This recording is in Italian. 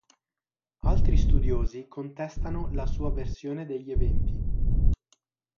Altri studiosi contestano la sua versione degli eventi.